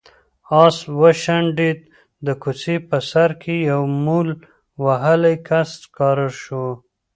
آس وشڼېد، د کوڅې په سر کې يو مول وهلی کس ښکاره شو.